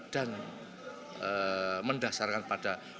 dan mendasarkan pada hati nurani